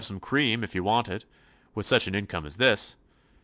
You can have cream, if you want it, with such an income as this.